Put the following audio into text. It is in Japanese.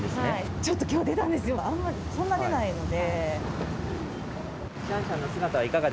ちょっと、きょう出たんですよ、そんな出ないんで。